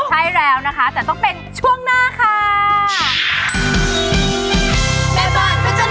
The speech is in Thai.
ใช่แล้วนะคะแต่ต้องเป็นช่วงหน้าค่ะ